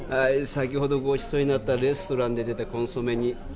先ほどごちそうになったレストランで出たコンソメに。